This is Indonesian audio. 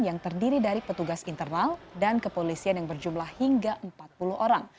yang terdiri dari petugas internal dan kepolisian yang berjumlah hingga empat puluh orang